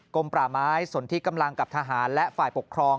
ป่าไม้สนที่กำลังกับทหารและฝ่ายปกครอง